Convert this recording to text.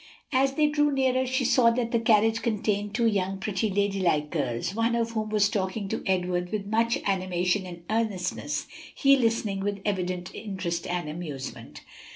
As they drew nearer, she saw that the carriage contained two young, pretty, ladylike girls, one of whom was talking to Edward with much animation and earnestness, he listening with evident interest and amusement.